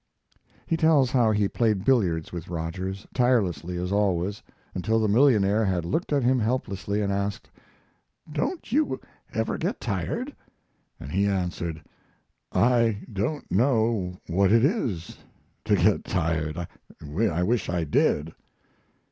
He tells how he played billiards with Rogers, tirelessly as always, until the millionaire had looked at him helplessly and asked: "Don't you ever get tired?" And he answered: "I don't know what it is to get tired. I wish I did."